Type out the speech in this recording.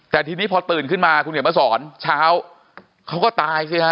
แต่ทีนี้พอตื่นขึ้นมาคุณเขียนมาสอนเช้าเขาก็ตายสิฮะ